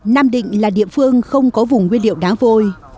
nam định là địa phương không có vùng nguyên liệu đá vôi